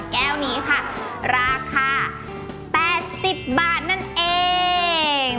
แก้วนี้ค่ะราคา๘๐บาทนั่นเอง